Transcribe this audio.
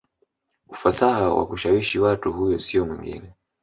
ufasaha wa kuwashawishi Watu Huyo siyo mwingine